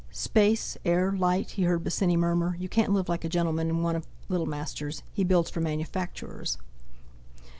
"Space, air, light," he heard Bosinney murmur, "you can't live like a gentleman in one of Littlemaster's—he builds for manufacturers."